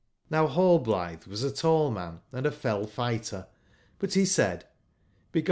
j^JVow Hallblitbe was a tall man and a fell fighter; but be said: ''Because!